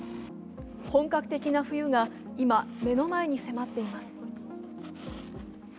本格的な冬が今、目の前に迫っています。